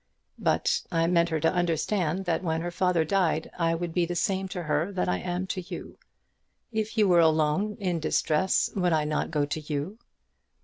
But I meant her to understand that when her father died I would be the same to her that I am to you. If you were alone, in distress, would I not go to you?"